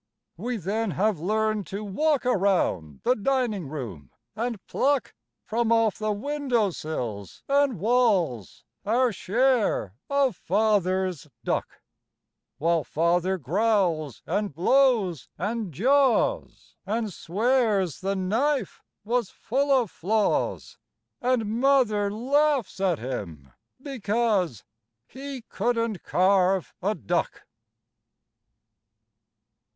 We then have learned to walk around the dining room and pluck From off the windowsills and walls Our share of Father's duck While Father growls and blows and jaws And swears the knife was full of flaws And Mother laughs at him because He couldn't carve a duck.